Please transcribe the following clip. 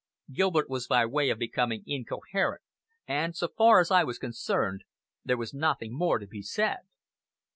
Gilbert was by way of becoming incoherent, and, so far as I was concerned, there was nothing more to be said.